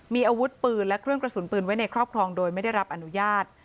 มีอาวุธปืนและเครื่องกระสุนปืนไว้ในครอบครองโดยไม่ได้รับอนุญาต